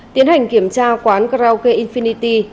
tiến hành kiểm tra quán krauke infinity